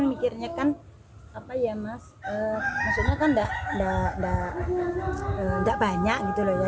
mikirnya kan apa ya mas maksudnya kan enggak banyak gitu loh ya